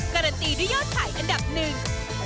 การันตีด้วยยอดขายอันดับหนึ่ง